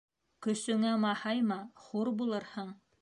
Көсөңә маһайма, хур булырһың.